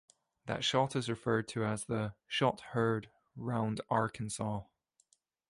That shot is referred to as the "Shot heard 'round Arkansas".